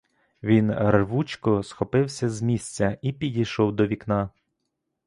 Він рвучко схопився з місця і підійшов до вікна.